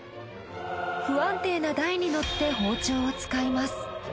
不安定な台に乗って包丁を使います。